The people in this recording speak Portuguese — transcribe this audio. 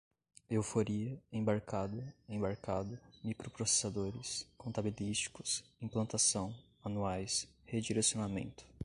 euphoria, embarcada, embarcado, microprocessadores, contabilísticos, implantação, manuais, redirecionamento